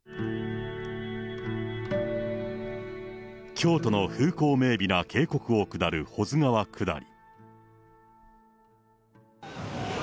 京都の風光明媚な渓谷を下る保津川下り。